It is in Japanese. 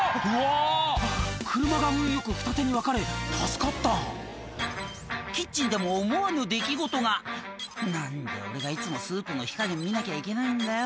車が運良く二手に分かれ助かったキッチンでも思わぬ出来事が「何で俺がいつもスープの火加減見なきゃいけないんだよ